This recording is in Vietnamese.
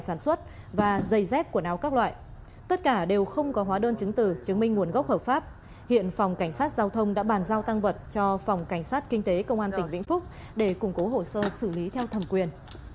cảnh sát giao thông công an tỉnh vĩnh phúc đã bàn giao tăng vật cho phòng cảnh sát kinh tế công an tỉnh vĩnh phúc để củng cố hồ sơ xử lý theo thẩm quyền